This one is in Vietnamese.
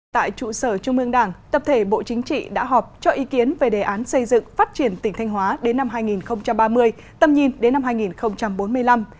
tại trụ sở trung mương đảng tập thể bộ chính trị đã họp cho ý kiến về đề án xây dựng phát triển tỉnh thanh hóa đến năm hai nghìn ba mươi tầm nhìn đến năm hai nghìn bốn mươi năm